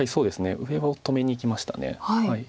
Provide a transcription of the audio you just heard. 上を止めにいきました。